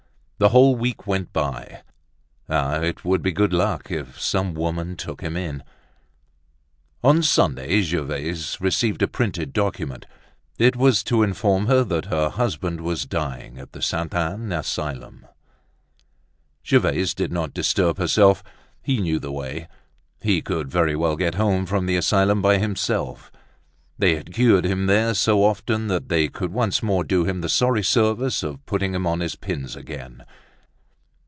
The whole week went by. Ah, it would be good luck if some woman took him in. On Sunday Gervaise received a printed document. It was to inform her that her husband was dying at the Sainte Anne asylum. Gervaise did not disturb herself. He knew the way; he could very well get home from the asylum by himself. They had cured him there so often that they could once more do him the sorry service of putting him on his pins again.